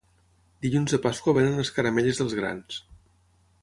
Dilluns de Pasqua venen les caramelles dels grans